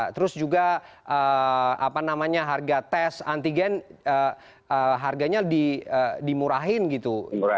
terus juga apa namanya harga tes antigen harganya dimurahin gitu